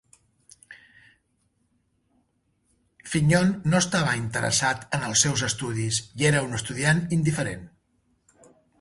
Fignon no estava interessat en els seus estudis i era un estudiant indiferent.